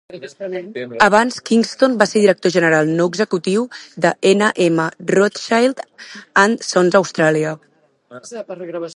Abans Kingston va ser director general no executiu de N M Rothschild and Sons Australia.